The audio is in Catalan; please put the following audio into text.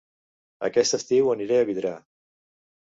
Aquest estiu aniré a Vidrà